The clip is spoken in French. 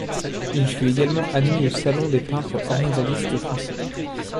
Il fut également admis au Salon des peintres orientalistes français.